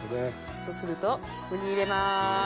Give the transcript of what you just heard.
そうするとウニ入れます。